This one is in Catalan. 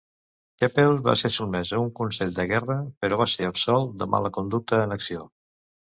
Keppel va ser sotmès a un consell de guerra, però va ser absolt de mala conducta en acció.